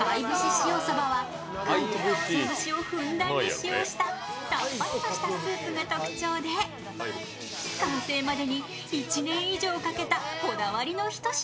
潮そばは貝とかつお節をふんだんに使用したさっぱりとしたスープが特徴で完成までに１年以上かけた、こだわりのひと品。